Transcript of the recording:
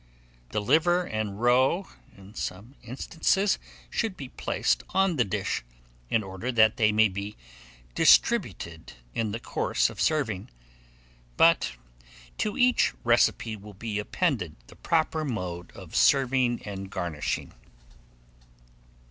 The liver and roe, in some instances, should be placed on the dish, in order that they may be distributed in the course of serving; but to each recipe will be appended the proper mode of serving and garnishing.